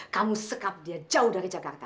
kamu sekap dia jauh dari jakarta